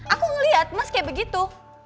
aku ngeliat mas kayak begitu